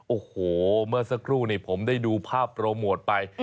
โอ้โหเมื่อสักครู่นี้ผมได้ดูภาพโปรโมทไป